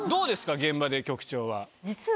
現場で局長は。